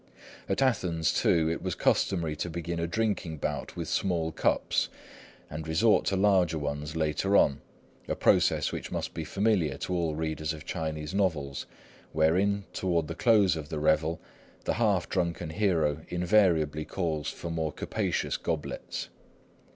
At Athens, too, it was customary to begin a drinking bout with small cups, and resort to larger ones later on, a process which must be familiar to all readers of Chinese novels, wherein, toward the close of the revel, the half drunken hero invariably calls for more capacious goblets.